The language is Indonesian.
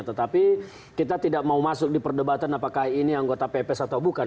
tetapi kita tidak mau masuk di perdebatan apakah ini anggota pps atau bukan